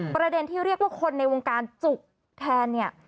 ประเด็นที่เรียกว่าคนในวงการจุกแทนเนี่ย